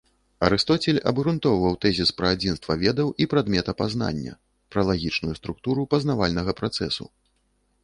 Арыстоцель абгрунтоўваў тэзіс пра адзінства ведаў і прадмета пазнання, пра лагічную структуру пазнавальнага працэсу.